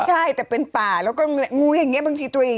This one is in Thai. ใช่แต่เป็นป่าแล้วก็งูอย่างนี้บางทีตัวเอง